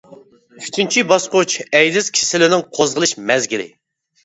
ئۈچىنچى باسقۇچ، ئەيدىز كېسىلىنىڭ قوزغىلىش مەزگىلى.